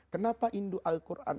kenapa indu al qur'an